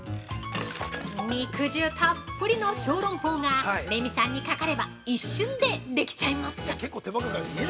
◆肉汁たっぷりの小籠包がレミさんにかかれば一瞬でできちゃいます。